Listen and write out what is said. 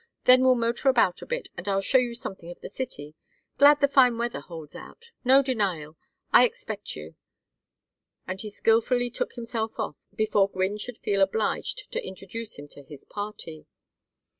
Then we'll motor about a bit and I'll show you something of the city. Glad the fine weather holds out. No denial. I expect you." And he skilfully took himself off, before Gwynne should feel obliged to introduce him to his party.